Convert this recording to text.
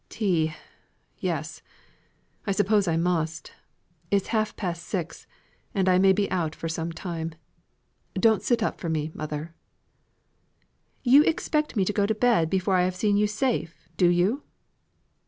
"Tea! Yes, I suppose I must. It's half past six, and I may be out for some time. Don't sit up for me, mother." "You expect me to go to bed before I have seen you safe, do you?"